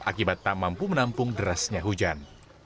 akibat tak mampu menampung derasnya hujan